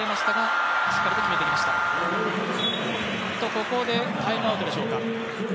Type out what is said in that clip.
ここでタイムアウトでしょうか。